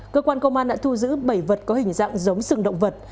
cơ quan công an đã thu giữ bảy vật có hình dạng giống sừng động vật